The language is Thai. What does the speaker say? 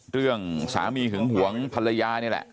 เรื่องสามีหึงหวงภรรยานี่แหละ